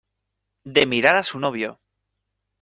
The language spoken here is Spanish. de mirar a su novio.